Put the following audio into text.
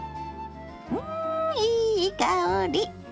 うんいい香り！